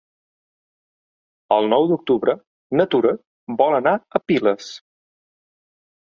El nou d'octubre na Tura vol anar a Piles.